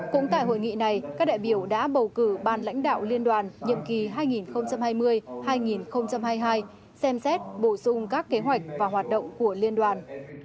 cũng tại hội nghị này các đại biểu đã bầu cử ban lãnh đạo liên đoàn nhiệm kỳ hai nghìn hai mươi hai nghìn hai mươi hai xem xét bổ sung các kế hoạch và hoạt động của liên đoàn